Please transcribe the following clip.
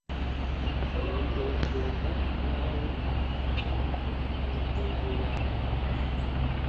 Ni kubashumba nkabo Umuvugabutumwa yanditse